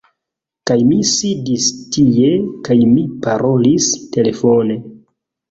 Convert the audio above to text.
Kaj mi sidis tie kaj mi parolis telefone.